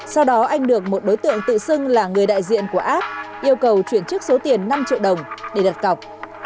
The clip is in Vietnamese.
sau đó anh được một đối tượng tự xưng là người đại diện của app yêu cầu chuyển trước số tiền năm triệu đồng để đặt cọc